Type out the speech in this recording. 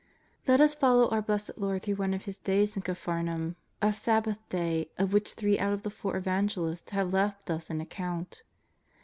Let us follow our Blessed Lord through one of His days in Capharnaum, a Sabbath day, of which three out of the four Evangelists have left us an account.